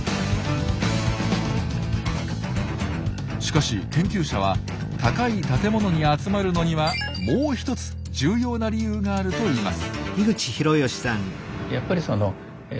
しかし研究者は高い建物に集まるのにはもうひとつ重要な理由があるといいます。